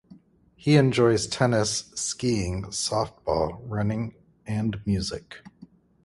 He enjoys tennis, skiing, softball, running, and music.